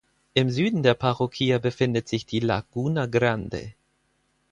Im Süden der Parroquia befindet sich die Laguna Grande.